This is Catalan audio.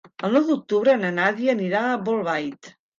El nou d'octubre na Nàdia anirà a Bolbait.